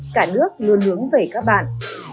cả nước luôn hướng về các bạn